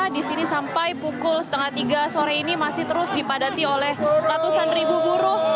di sini sampai pukul setengah tiga sore ini masih terus dipadati oleh ratusan ribu buruh